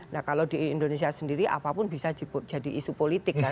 nah kalau di indonesia sendiri apapun bisa jadi isu politik kan